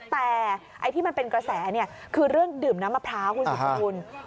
แต่ไอ้ที่มันเป็นกระแสคือเรื่องดื่มน้ำมะพร้าวคุณสุดสกุล